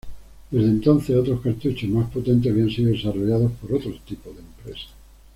Desde entonces, otros cartuchos más potentes habían sido desarrollados por otro tipo de empresas.